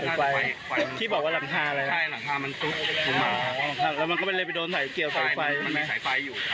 มันมีสายไฟอยู่ครับ